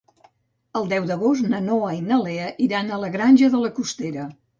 El deu d'agost na Noa i na Lea iran a la Granja de la Costera.